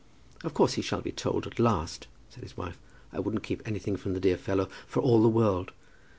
"Of course he shall be told at last," said his wife. "I wouldn't keep anything from the dear fellow for all the world.